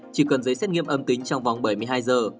chỉ cần giấy xét nghiệm âm tính trong vòng bảy mươi hai giờ